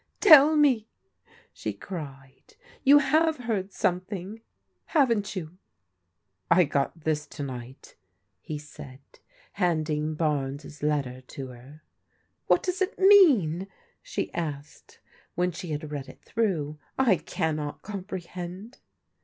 "Tell me!" she cried; "you have heard something, haven't you ?"" I got this to night," he said, handing Barnes' letter to her. " What does it mean?" she asked, when she had read it through. " I cannot comprehend